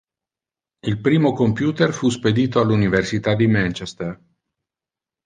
Il primo computer fu spedito all'Università di Manchester.